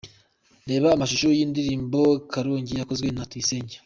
Reba amashusho y’indirimbo Karongi yakozwe na Tuyisenge:`.